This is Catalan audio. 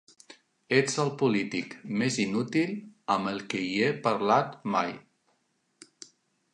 Ets el polític més inútil amb qui he parlat mai.